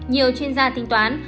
nhiều chuyên gia tính toán